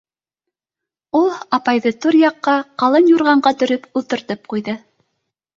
Ул апайҙы түр яҡҡа ҡа лын юрғанға төрөп ултыртып ҡуйҙы